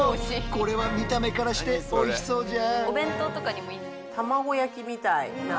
これは見た目からしておいしそうじゃ。